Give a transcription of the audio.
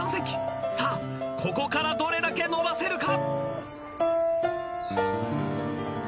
さあここからどれだけ伸ばせるか！？